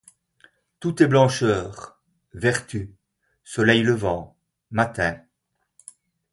Tout est blancheur, vertu, soleil levant, matin